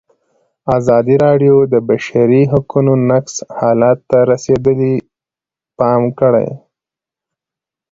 ازادي راډیو د د بشري حقونو نقض حالت ته رسېدلي پام کړی.